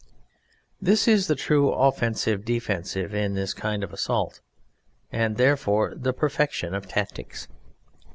This is the true offensive defensive in this kind of assault, and therefore the perfection of tactics.